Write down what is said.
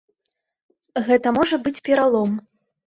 Гэта можа быць пералом.